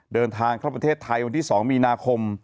เดินทางเข้าประเทศไทยวันที่๒มีนาคม